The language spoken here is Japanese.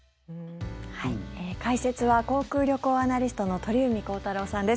解説は航空・旅行アナリストの鳥海高太朗さんです。